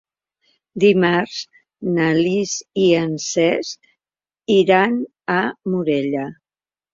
Dimarts na Lis i en Cesc iran a Morella.